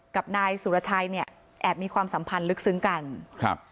กับนายสุรชัยเนี่ยแอบมีความสัมพันธ์ลึกซึ้งกันครับ